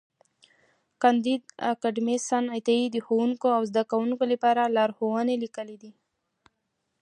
کانديد اکاډميسن عطایي د ښوونکو او زدهکوونکو لپاره لارښوونې لیکلې دي.